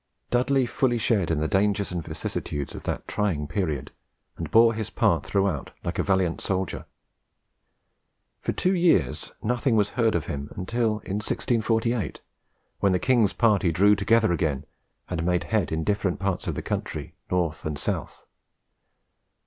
Dudley fully shared in the dangers and vicissitudes of that trying period, and bore his part throughout like a valiant soldier. For two years nothing was heard of him, until in 1648, when the king's party drew together again, and made head in different parts of the country, north and south.